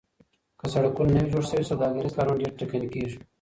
که سړکونه نه وي جوړ سوي سوداګريز کارونه ډېر ټکني کيږي.